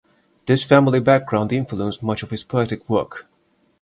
This family background influenced much of his poetic work.